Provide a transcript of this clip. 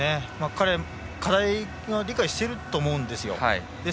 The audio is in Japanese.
彼は課題を理解していると思います。